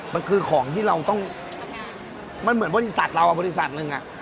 มันคือของที่เราต้องมันเหมือนบริษัทเราบริษัทหนึ่ง